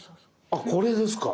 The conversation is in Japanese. あこれですか。